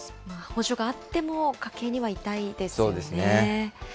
補助があっても家計には痛いですよね。